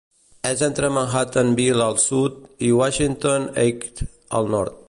És entre Manhattanville al sud i Washington Heights al nord.